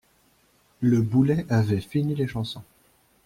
Le boulet avait fini les chansons.